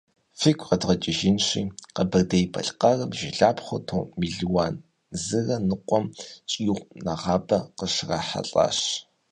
Фигу къэдгъэкӏыжынщи, Къэбэрдей-Балъкъэрым жылапхъэу тонн мелуан зырэ ныкъуэм щӏигъу нэгъабэ къыщрахьэлӏэжащ.